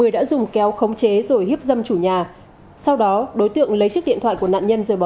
một mươi đã dùng kéo khống chế rồi hiếp dâm chủ nhà